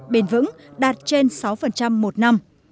bền vững đạt trên sáu một năm